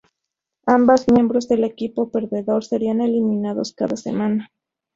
Ambas miembros del equipo perdedor serían eliminados cada semana.